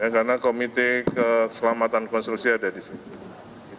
karena komite keselamatan konstitusi ada di sini